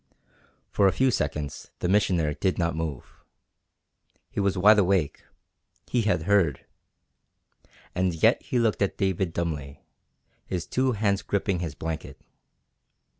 For a few seconds the Missioner did not move. He was wide awake, he had heard, and yet he looked at David dumbly, his two hands gripping his blanket.